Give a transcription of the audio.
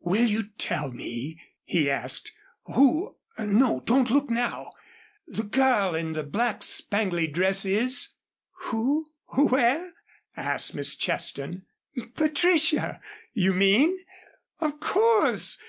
"Will you tell me," he asked, "who no, don't look now the girl in the black spangly dress is?" "Who? Where?" asked Miss Cheston. "Patricia, you mean? Of course!